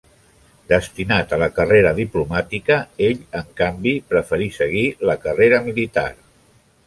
Destinat a la carrera diplomàtica ell, en canvi, preferí seguir la carrera militar.